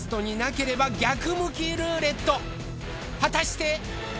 果たして！？